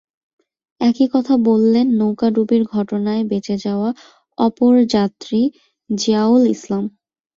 একই কথা বললেন নৌকা ডুবির ঘটনায় বেঁচে যাওয়া অপরযাত্রী জিয়াউল ইসলাম।